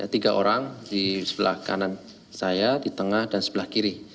tiga orang di sebelah kanan saya di tengah dan sebelah kiri